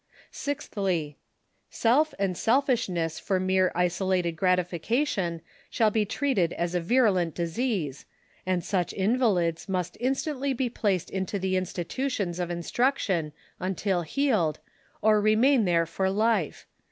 Sirihly — Self and selfishness for mere isolated gratifica tion shall be treated as a virulent disease, and such invalids must instantly be placed into the institutions of instruc tion until healed, or remain there for life.